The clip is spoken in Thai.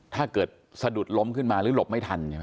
ถ้าเกิดสะดุดล้มขึ้นมาหรือหลบไม่ทัน